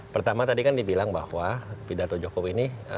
pertama tadi kan dibilang bahwa pidato jokowi ini